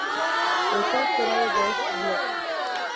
Es autora de dos blogs.